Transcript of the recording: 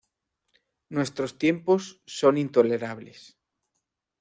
Nuestros tiempos son intolerables.